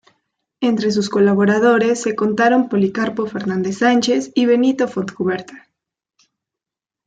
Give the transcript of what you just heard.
Entre sus colaboradores se contaron Policarpo Fernández Sánchez y Benito Fontcuberta.